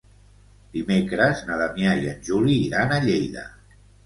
Dimecres na Damià i en Juli iran a Lleida.